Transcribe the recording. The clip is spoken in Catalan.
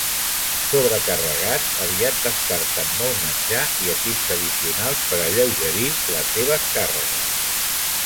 Sobrecarregats, aviat descarten molt menjar i equips addicionals per alleugerir les seves càrregues.